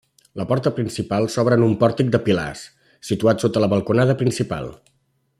La porta principal s'obre en un pòrtic de pilars, situat sota la balconada principal.